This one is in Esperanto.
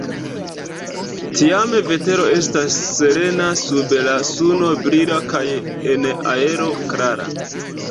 Tiam vetero estas serena sub la suno brila kaj en aero klara.